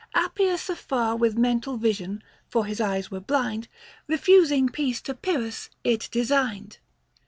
Appius afar With mental vision, for his eyes were blind, Refusing peace to Pyrrhus, it designed.